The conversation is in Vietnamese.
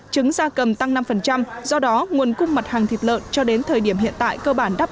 trứng gia cầm tăng năm do đó nguồn cung mặt hàng thịt lợn cho đến thời điểm hiện tại cơ bản đáp